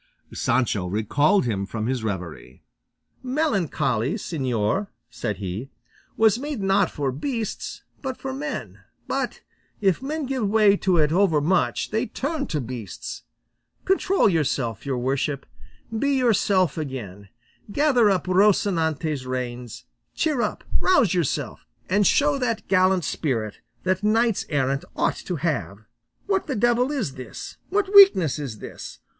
Sancho recalled him from his reverie. "Melancholy, señor," said he, "was made, not for beasts, but for men; but if men give way to it overmuch they turn to beasts; control yourself, your worship; be yourself again; gather up Rocinante's reins; cheer up, rouse yourself and show that gallant spirit that knights errant ought to have. What the devil is this? What weakness is this?